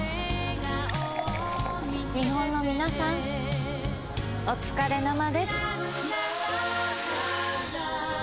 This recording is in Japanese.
日本の皆さんおつかれ生です。